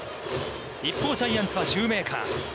一方、ジャイアンツはシューメーカー。